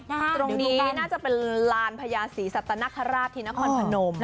ตรงนี้น่าจะเป็นลานพญาศรีสัตนคราชที่นครพนม